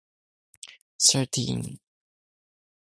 Davis also retired as principal on that day.